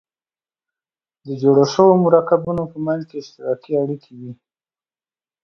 د جوړو شوو مرکبونو په منځ کې اشتراکي اړیکې وي.